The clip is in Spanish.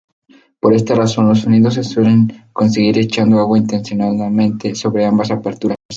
Por esta razón los sonidos se suelen conseguir echando agua intencionadamente sobre ambas aberturas.